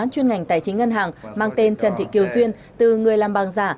chuyên ngành tài chính ngân hàng mang tên trần thị kiều duyên từ người làm bằng giả